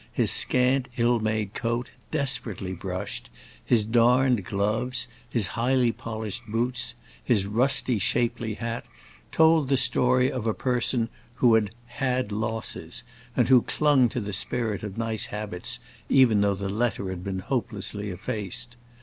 His scant ill made coat, desperately brushed, his darned gloves, his highly polished boots, his rusty, shapely hat, told the story of a person who had "had losses" and who clung to the spirit of nice habits even though the letter had been hopelessly effaced.